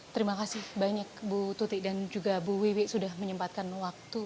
terima kasih banyak bu tuti dan juga bu wiwi sudah menyempatkan waktu